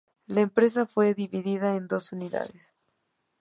La empresa fue dividida en dos unidades.